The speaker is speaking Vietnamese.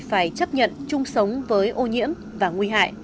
phải chấp nhận chung sống với ô nhiễm và nguy hại